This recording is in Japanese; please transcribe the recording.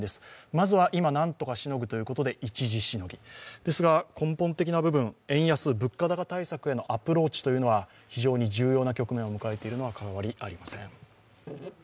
まずは今、何とかしのぐということで一時しのぎ、ですが根本的な部分、円安、物価高対策へのアプローチは非常に重要な局面を迎えているのは変わりありません。